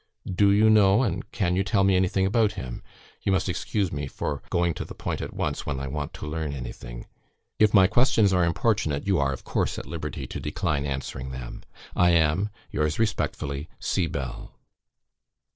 Do you know, and can you tell me anything about him? You must excuse me for going to the point at once, when I want to learn anything: if my questions are importunate, you are, of course, at liberty to decline answering them. I am, yours respectfully, C. BELL."